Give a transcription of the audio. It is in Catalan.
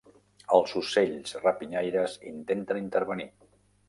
Els ocells rapinyaires intenten intervenir.